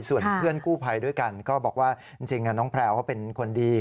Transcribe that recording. ส่วนเพื่อนกู้ภัยด้วยกันก็บอกว่าจริงน้องแพลวเขาเป็นคนดี